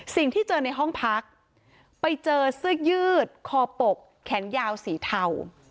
เจอในห้องพักไปเจอเสื้อยืดคอปกแขนยาวสีเทา